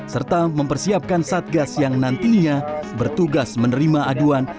serta mempersiapkan satgas yang nantinya bertugas menerima aduan